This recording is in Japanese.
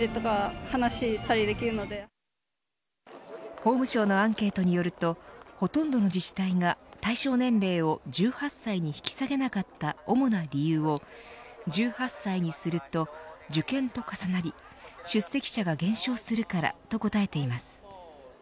法務省のアンケートによるとほとんどの自治体が対象年齢を１８歳に引き下げなかった主な理由を１８歳にすると受験と重なり出席者が減少するからと答えています。